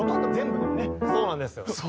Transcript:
そうなんですよ。